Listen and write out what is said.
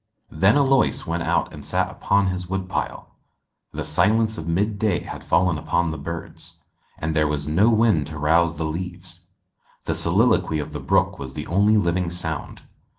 Then Alois went out and sat upon his wood pile. The silence of mid day had fallen upon the birds, and there was no wind to rouse the leaves; the soliloquy of the brook was the only living sound.